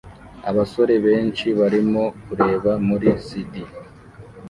Abasore benshi barimo kureba muri CD